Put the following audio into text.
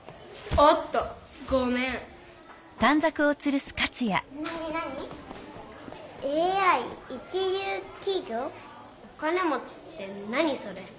「お金もち」って何それ？